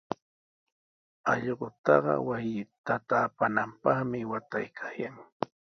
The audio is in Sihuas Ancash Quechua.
Allqutaqa wasita taapananpaqmi waataykaayan.